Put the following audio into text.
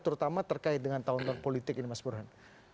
terutama terkait dengan tahun tahun politik ini mas burhan